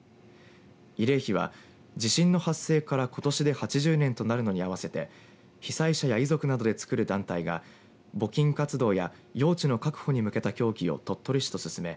慰霊碑は地震の発生からことしで８０年となるのに合わせて被災者や遺族などでつくる団体が募金活動や用地の確保に向けた協議を鳥取市と進め